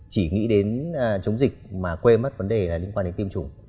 chỉ nghĩ đến chống dịch mà quên mất vấn đề là liên quan đến tiêm chủng